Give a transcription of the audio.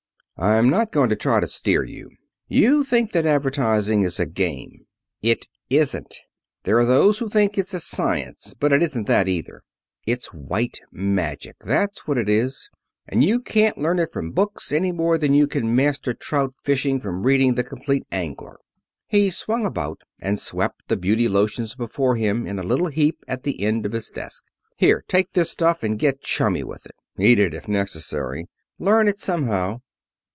"I'm not going to try to steer you. You think that advertising is a game. It isn't. There are those who think it's a science. But it isn't that either. It's white magic, that's what it is. And you can't learn it from books, any more than you can master trout fishing from reading 'The Complete Angler.'" He swung about and swept the beauty lotions before him in a little heap at the end of his desk. "Here, take this stuff. And get chummy with it. Eat it, if necessary; learn it somehow."